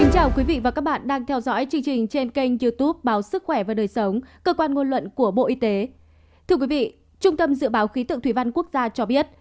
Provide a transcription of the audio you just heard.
các bạn hãy đăng ký kênh để ủng hộ kênh của chúng mình nhé